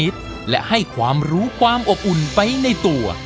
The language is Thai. และให้ความรู้ความอบอุ่นไปในตัว